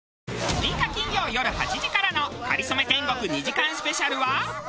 ６日金曜よる８時からの『かりそめ天国』２時間スペシャルは。